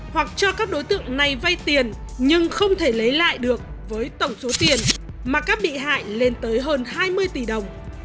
hoặc cho các đối tượng này vay tiền nhưng không thể lấy lại được với tổng số tiền mà các bị hại lên tới hơn hai mươi tỷ đồng